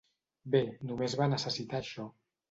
Bé, només va necessitar això.